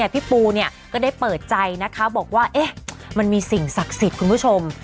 พี่ปูก็ได้เปิดใจนะคะบอกว่ามันมีสิ่งศักดิ์สิทธิ์คุณผู้ชม